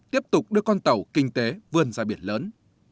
tiếp tục đưa con tàu kinh tế vươn ra biển lớn